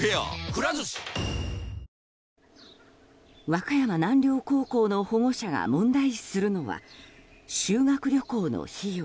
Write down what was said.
和歌山南陵高校の保護者が問題視するのは修学旅行の費用。